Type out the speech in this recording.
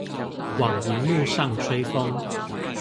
往螢幕上吹風